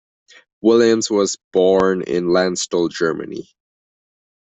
Williams was born in Landstuhl, Germany.